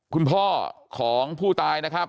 คุณพ่อของผู้ตายนะครับ